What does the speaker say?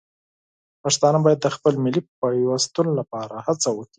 پښتانه باید د خپل ملي پیوستون لپاره هڅه وکړي.